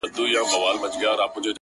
درته خبره كوم _